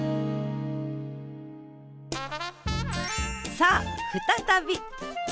さあ再び！